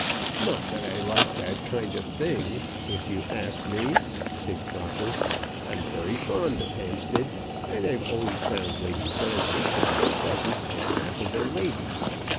"Not that I like that kind of thing, if you ask me," said Crocker. "I'm very fond of Hampstead, and I've always found Lady Frances to be a pleasant and affable lady.